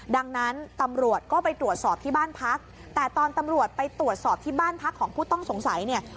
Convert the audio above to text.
ดังนั้นตำรวจก็ไปตรวจสอบที่บ้านพักแต่ตอนตำรวจไปตรวจสอบที่บ้านพักของผู้ต้องสงสัยเนี่ย